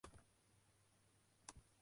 There were also several other targets.